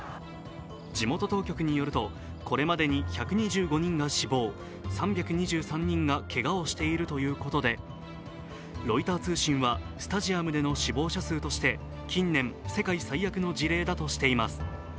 地元当局によるとこれまでに１２５人が死亡、３２３人がけがをしているということでロイター通信はスタジアムでの死亡者数として近年、世界最悪の事例だとしています。